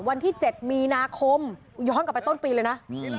วันที่๗มีนาคมย้อนกลับไปต้นปีเลยนะ